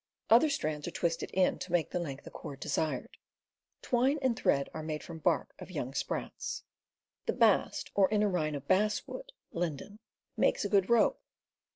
Other strands are twisted in to make the length of cord desired. Twine and thread are made from the bark of young sprouts. The bast or inner rind of basswood (linden) makes good rope.